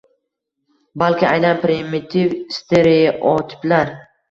balki aynan primitiv stereotiplar